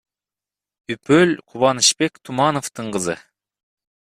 Үпөл — Кубанычбек Тумановдун кызы.